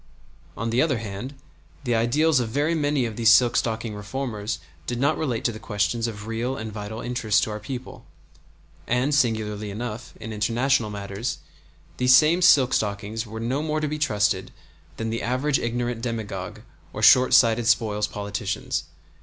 On the other hand, the ideals of very many of the silk stocking reformers did not relate to the questions of real and vital interest to our people; and, singularly enough, in international matters, these same silk stockings were no more to be trusted than the average ignorant demagogue or shortsighted spoils politicians.